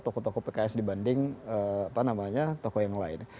tokoh tokoh pks dibanding tokoh yang lain